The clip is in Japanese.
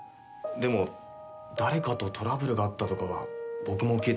でも誰かとトラブルがあったとかは僕も聞いた事がありません。